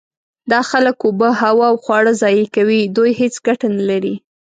دا خلک اوبه، هوا او خواړه ضایع کوي. دوی هیڅ ګټه نلري.